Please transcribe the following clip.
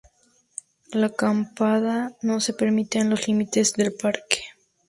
La acampada no se permite en los límites del parque.